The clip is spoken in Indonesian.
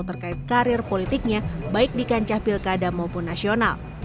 terkait karir politiknya baik di kancah pilkada maupun nasional